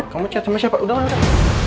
kamu cek sama siapa udah udah